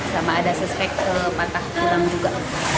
sama ada suspek ke patah tulang juga